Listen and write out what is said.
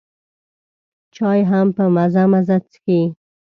چای هم په مزه مزه څښي.